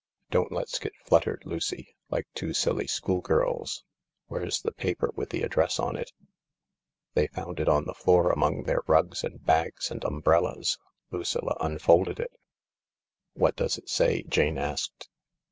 Don't let s get fluttered, Lucy, like two silly schoolgirls, Where's the paper with the address on it ?" They found it on the floor among their rugs and bags and umbrellas. Lucilla unfolded it. " What does it say ?" Jane asked.